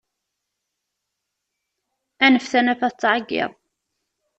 Anef tanafa tettɛeggiḍ.